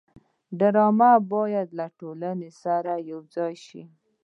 ډرامه باید له ټولنې سره یوځای شي